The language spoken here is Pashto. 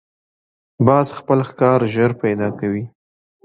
باز خپل ښکار ژر پیدا کوي